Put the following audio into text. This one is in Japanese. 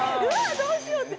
どうしよう！って